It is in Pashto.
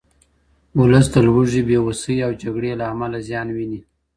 ولس د لوږې، بې وسۍ او جګړې له امله زیان ویني.